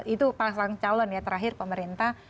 itu pasang calon ya terakhir pemerintah